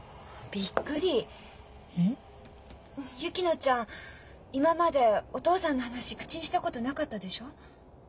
薫乃ちゃん今までお父さんの話口にしたことなかったでしょ？